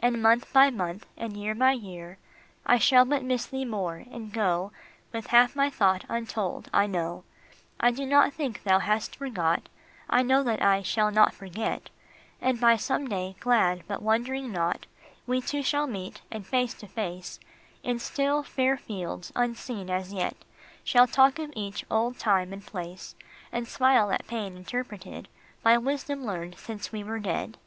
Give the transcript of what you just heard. And month by month, and year by year, I shall but miss thee more, and go With half my thought untold, I know. 234 HELEN. I do not think thou hast forgot, I know that I shall not forget, And some day, glad, but wondering not, We two shall meet, and face to face, In still, fair fields unseen as yet, Shall talk of each old time and place, And smile at pain interpreted By wisdom learned since we were dead.